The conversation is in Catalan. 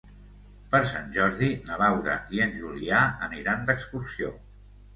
Per Sant Jordi na Laura i en Julià aniran d'excursió.